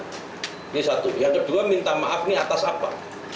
ini satu yang kedua minta maaf ini atas apa